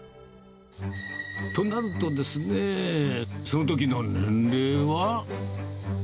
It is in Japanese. となるとですね、そのときの年齢は？